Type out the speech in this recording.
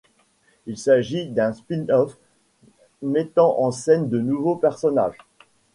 Il s'agît d'un spin-off, mettant en scène de nouveaux personnages.